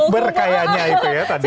lagi bukber kayaknya itu ya tadi